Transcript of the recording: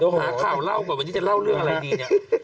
เดี๋ยวหาข่าวเล่าก่อนวันนี้จะเล่าเรื่องอะไรดีเนี่ย